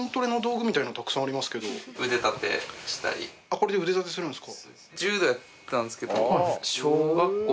これで腕立てするんですか？